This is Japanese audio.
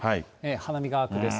花見川区です。